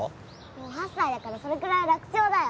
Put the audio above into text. もう８歳だからそれくらい楽勝だよ